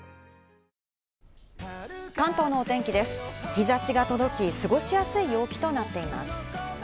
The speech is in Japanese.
日差しが届き、過ごしやすい陽気となっています。